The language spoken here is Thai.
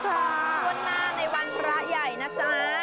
พัวนาในวันพระใหญ่นะจ้ะ